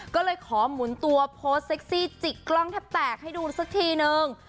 ก็เลยขอหมุนตัวโพสต์เซ็กซี่จิกกล้องแทบแตกให้ดูสักทีนึง